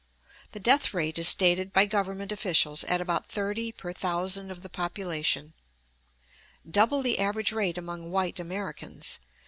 The death rate is stated by Government officials at about thirty per thousand of the population double the average rate among white Americans.